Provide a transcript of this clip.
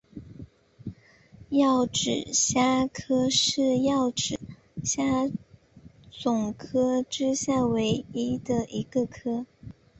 匙指虾科是匙指虾总科之下唯一的一个科。